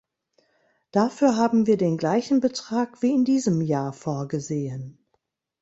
Dafür haben wir den gleichen Betrag wie in diesem Jahr vorgesehen.